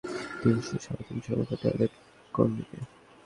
তিনশো-সাঁড়ে তিনশোর মত টয়লেট কোন দিকে?